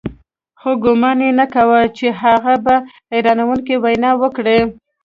خو ګومان يې نه کاوه چې هغه به حيرانوونکې وينا وکړي.